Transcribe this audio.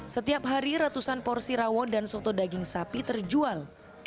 setiap hari ratusan porsi rawo dan soto daging sapi terjual